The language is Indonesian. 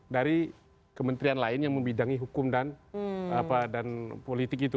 dari kementerian lain yang membidangi hukum dan politik itu